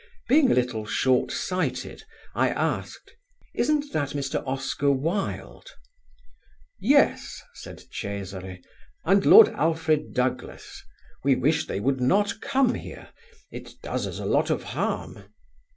Being a little short sighted, I asked: "Isn't that Mr. Oscar Wilde?" "Yes," said Cesari, "and Lord Alfred Douglas. We wish they would not come here; it does us a lot of harm."